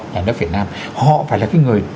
nhà nước việt nam họ phải là cái người